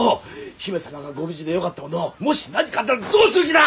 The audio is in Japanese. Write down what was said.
姫様がご無事でよかったもののもし何かあったらどうする気だ！